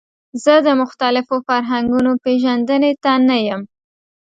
زه د مختلفو فرهنګونو پیژندنې ته نه یم.